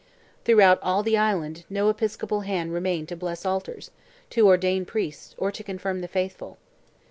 Throughout all the island no episcopal hand remained to bless altars, to ordain priests, or to confirm the faithful.